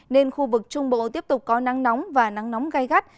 nên khu vực trung bộ tiếp tục có nắng nóng và nắng nóng gai gắt